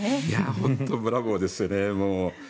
本当にブラボーですね。